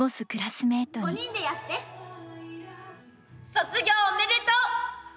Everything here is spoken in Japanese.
卒業おめでとう！